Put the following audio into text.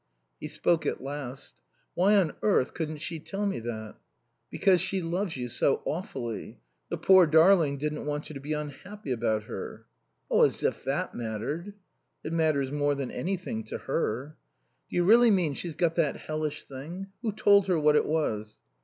He spoke at last. "Why on earth couldn't she tell me that?" "Because she loves you so awfully. The poor darling didn't want you to be unhappy about her." "As if that mattered." "It matters more than anything to her." "Do you really mean that she's got that hellish thing? Who told her what it was?"